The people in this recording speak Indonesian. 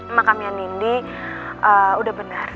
emak amia nindi udah benar